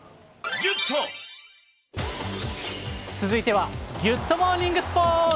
続いては、ギュッとモーニングスポーツ。